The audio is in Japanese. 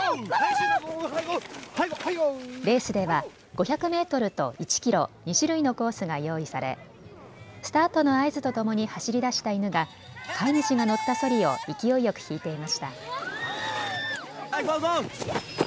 レースでは５００メートルと１キロ２種類のコースが用意されスタートの合図とともに走り出した犬が飼い主が乗ったそりを勢いよく引いていました。